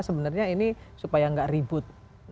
sebenarnya ini supaya nggak ribut